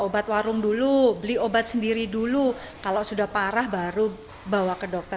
obat warung dulu beli obat sendiri dulu kalau sudah parah baru bawa ke dokter